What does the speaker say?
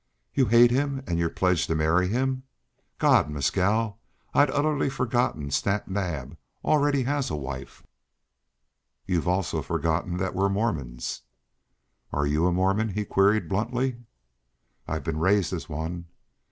"You hate him and you're pledged to marry him!... God! Mescal, I'd utterly forgotten Snap Naab already has a wife." "You've also forgotten that we're Mormons." "Are you a Mormon?" he queried bluntly. "I've been raised as one."